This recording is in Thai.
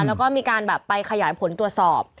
แล้วก็มีการแบบไปขยายผลตรวจสอบ